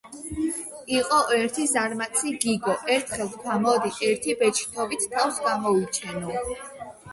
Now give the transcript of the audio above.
იყო ერთი ზარმაცი გიგო. ერთხელ თქვა: მოდი, ერთი ბეჯითობით თავს გამოვიჩენო